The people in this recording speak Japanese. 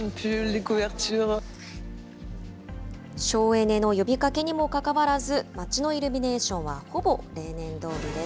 省エネの呼びかけにもかかわらず、街のイルミネーションはほぼ例年どおりです。